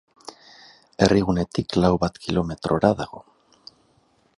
Herrigunetik lau bat kilometrora dago.